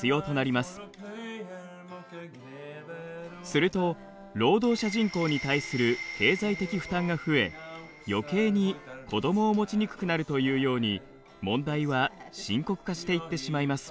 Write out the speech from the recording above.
すると労働者人口に対する経済的負担が増えよけいに子どもを持ちにくくなるというように問題は深刻化していってしまいます。